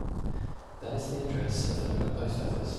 That is the address of the local post office.